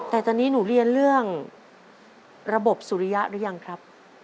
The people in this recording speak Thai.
แต่ตอนนี้หนูเรียนเรื่องระบบสุริยะหรือยังครับ